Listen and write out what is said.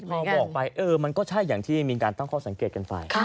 พอบอกไปเออมันก็ใช่อย่างที่มีการตั้งข้อสังเกตกันไป